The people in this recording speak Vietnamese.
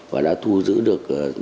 và đã thu giữ được rất nhiều số lượng